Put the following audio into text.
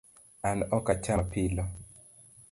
An ok acham apilo